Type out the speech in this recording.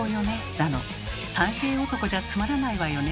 だの「３平男じゃつまらないわよね」